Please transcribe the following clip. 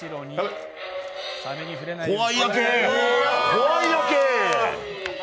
怖いやけ！